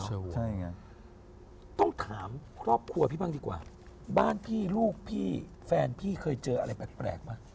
ใช่ไงต้องถามครอบครัวพี่บ้างดีกว่าบ้านพี่ลูกพี่แฟนพี่เคยเจออะไรแปลกไหม